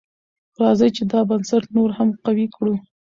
راځئ چې دا بنسټ نور هم قوي کړو.